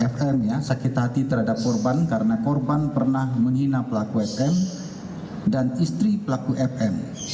fm ya sakit hati terhadap korban karena korban pernah menghina pelaku fl dan istri pelaku fm